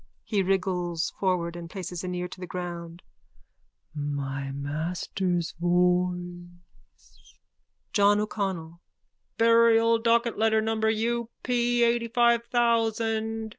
(He wriggles forward and places an ear to the ground.) My master's voice! JOHN O'CONNELL: Burial docket letter number U. P. eightyfive thousand.